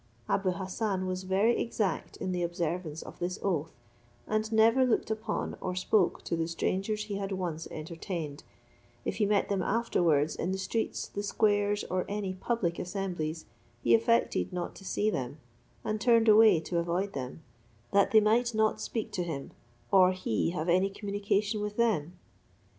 Abou Hassan was very exact in the observance of this oath, and never looked upon or spoke to the strangers he had once entertained; if he met them afterwards in the streets, the squares, or any public assemblies, he affected not to see them, and turned away to avoid them, that they might not speak to him, or he have any communication with them.